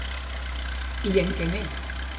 I en què més?